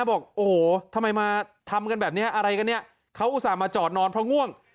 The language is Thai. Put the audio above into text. บอกโอ้โหทำไมมาทำกันแบบนี้อะไรกันเนี่ยเขาอุตส่าห์มาจอดนอนเพราะง่วง